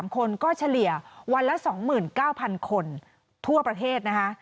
๓คนก็เฉลี่ยวันละ๒๙๐๐คนทั่วประเทศนะคะ